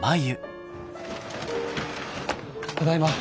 ただいま。